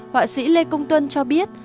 họa sĩ lê công tuân cho biết